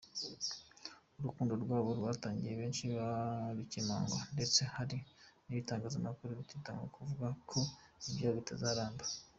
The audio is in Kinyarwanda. Urukundo rwabo rwatangiye benshi barukemanga ndetse hari n’ibitangazamakuru bitatinyaga kwatura ko â€?ibyabo bitazaramba’.